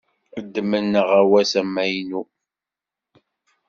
Ddmen aɣawas amaynu.